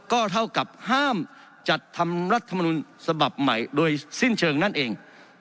ก็เท่ากับห้ามจัดทำรัฐมนุนฉบับใหม่โดยสิ้นเชิงนั่นเอง